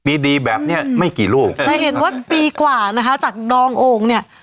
ดีดีแบบเนี้ยไม่กี่ลูกจะเห็นว่าปีกว่านะคะจากดองโอ่งเนี้ย